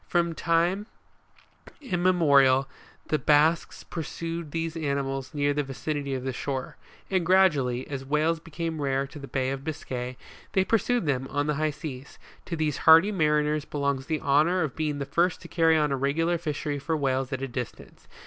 From time immemorial the Basques pur sued these animals near the vicinity of the shore ; and gradually, as whales became rare in the Bay of Biscay, they pursued them on the high seas : to these hardy mariners belongs the honour of being the first to carry on a regular fishery for whales at . a dis tance.